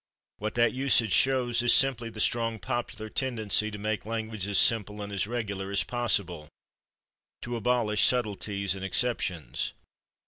What that usage shows is simply the strong popular tendency to make language as simple and as regular as possible to abolish subtleties and exceptions.